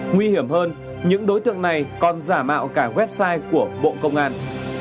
nguy hiểm hơn những đối tượng này còn giả mạo cả website của bộ công an